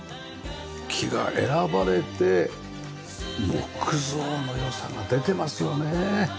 木が選ばれて木造の良さが出てますよね。